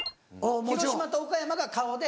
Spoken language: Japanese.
広島と岡山が顔で。